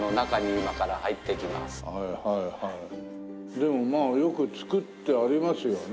でもまあよく造ってありますよね。